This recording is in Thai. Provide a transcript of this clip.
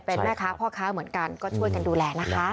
เป็นแม่ค้าพ่อค้าเหมือนกันก็ช่วยกันดูแลนะคะ